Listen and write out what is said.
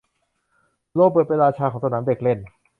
โรเบิร์ตเป็นราชาของสนามเด็กเล่น